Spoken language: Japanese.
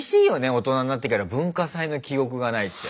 大人になってから文化祭の記憶がないって。